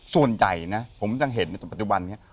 ส่วนใหญ่นะผมจะเห็นในปัจจุบันนี้